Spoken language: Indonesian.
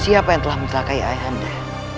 siapa yang telah mencelakai ayah anda